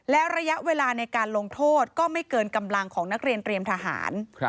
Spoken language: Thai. และระยะเวลาในการลงโทษก็ไม่เกินกำลังของนักเรียนเตรียมทหาร